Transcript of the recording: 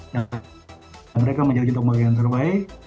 dan mereka menjadi jendela kembali yang terbaik